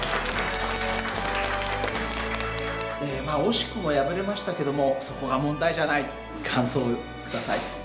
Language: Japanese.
まあ惜しくも敗れましたけどもそこが問題じゃない。